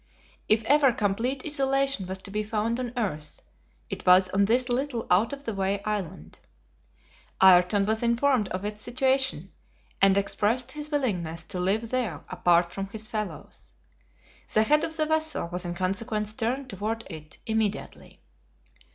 If ever complete isolation was to be found on earth, it was on this little out of the way island. Ayrton was informed of its situation, and expressed his willingness to live there apart from his fellows. The head of the vessel was in consequence turned toward it immediately.